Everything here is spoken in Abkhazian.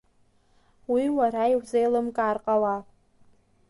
Уи уара иузеилымкаар ҟалап.